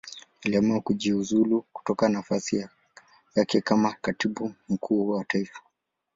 Aliamua kujiuzulu kutoka nafasi yake kama Katibu Mkuu wa Taifa.